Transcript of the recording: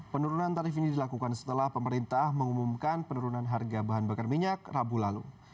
penurunan tarif ini dilakukan setelah pemerintah mengumumkan penurunan harga bahan bakar minyak rabu lalu